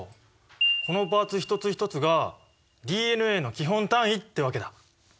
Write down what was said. このパーツ一つ一つがＤＮＡの基本単位ってわけだ。